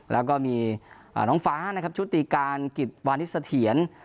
แล้วก็มีน้องฟ้านะครับชุติการกิจวานิสเถียร